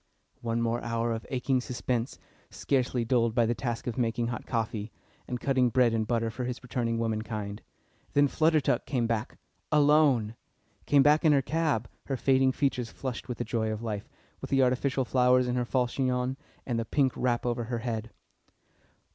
One more hour of aching suspense, scarcely dulled by the task of making hot coffee, and cutting bread and butter for his returning womankind; then Flutter Duck came back. Alone! Came back in her cab, her fading features flushed with the joy of life, with the artificial flowers in her false chignon, and the pink wrap over her head.